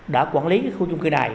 đã quản lý khu trung cư này